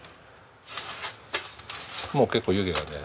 もう結構湯気がね。